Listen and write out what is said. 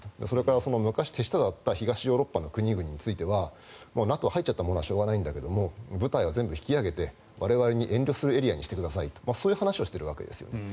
それから昔、手下だった東ヨーロッパの国々についてはＮＡＴＯに入っちゃったものはしょうがないんだけど部隊は全部引き上げて我々に遠慮するエリアにしてくださいとそういう話をしているんです。